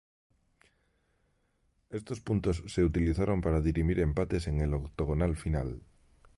Estos puntos se utilizaron para dirimir empates en el octogonal final.